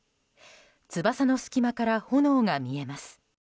翼の隙間から炎が見えます。